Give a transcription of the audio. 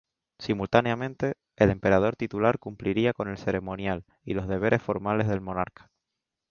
Simultáneamente, el emperador titular cumpliría con el ceremonial y los deberes formales del monarca.